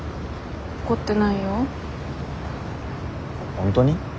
本当に？